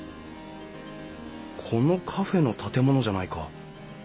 このカフェの建物じゃないか。